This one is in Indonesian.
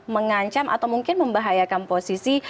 mengancam atau mungkin membahayakan posisi